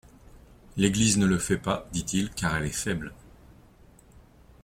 «L'Église ne le fait pas, dit-il, car elle est faible.